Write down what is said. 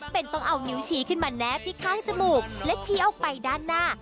เป็นต้องเอานิ้วชี้ขึ้นมาแนบที่ข้างจมูกและชี้ออกไปด้านหน้า